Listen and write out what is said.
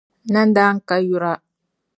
Nandana ka yura.